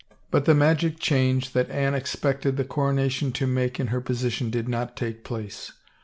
But the magic change that Anne expected the coro nation to make in her position did not take place.